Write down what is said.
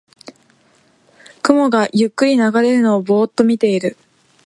雲がゆっくり流れるのをぼーっと見てる